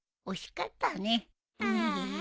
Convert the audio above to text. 惜しかったね。